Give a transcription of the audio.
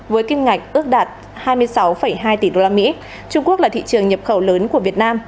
với kim ngạch ước đạt hai mươi sáu hai tỷ usd trung quốc là thị trường nhập khẩu lớn của việt nam